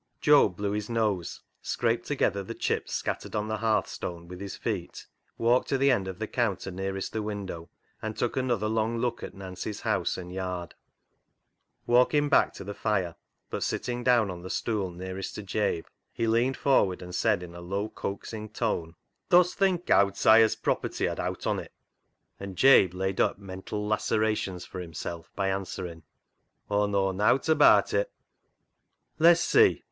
Job blew his nose, scraped together the chips scattered on the hearthstone with his feet, walked to the end of the counter nearest the window, and took another long look at Nancy's house and yard. Walking back to the fire, but sitting down on the stool nearest to Jabe, he leaned forward and said in a low coaxing tone — '•HANGING HIS HAT UP" 69 " Dost think Owd 'Siah's property had owt on it ?" And Jabe laid up mental lacerations for himself by answering —" Aw knaw nowt abaat it." " Le'ss see.